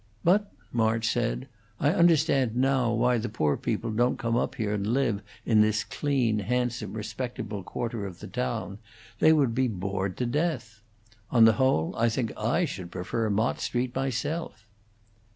"But," March said, "I understand now why the poor people don't come up here and live in this clean, handsome, respectable quarter of the town; they would be bored to death. On the whole, I think I should prefer Mott Street myself."